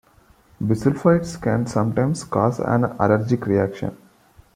Bisulfites can sometimes cause an allergic reaction.